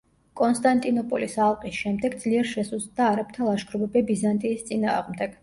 კონსტანტინოპოლის ალყის შემდეგ ძლიერ შესუსტდა არაბთა ლაშქრობები ბიზანტიის წინააღმდეგ.